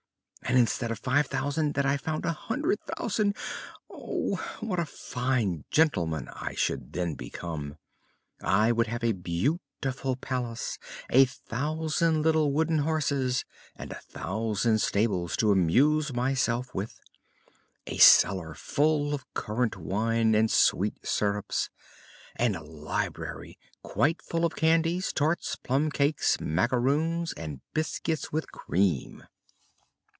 and instead of five thousand, that I found a hundred thousand? Oh! what a fine gentleman I should then become! I would have a beautiful palace, a thousand little wooden horses and a thousand stables to amuse myself with, a cellar full of currant wine and sweet syrups, and a library quite full of candies, tarts, plum cakes, macaroons, and biscuits with cream."